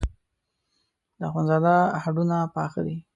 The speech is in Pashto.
د اخوندزاده هډونه پاخه دي.